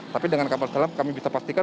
tapi dengan kapal selam kami bisa pastikan